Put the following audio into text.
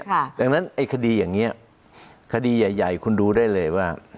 ดังนั้นไอ้คดีอย่างนี้คดีใหญ่คุณดูได้เลยว่า